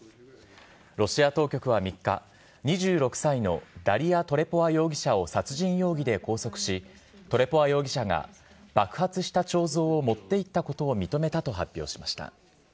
ロシア当局は３日、２６歳のダリア・トレポワ容疑者を殺人容疑で拘束し、トレポワ容疑者が爆発した彫像を持っていったことを認めたと発表しました。